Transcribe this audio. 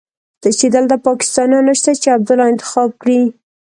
چې دلته پاکستانيان نشته چې عبدالله انتخاب کړي.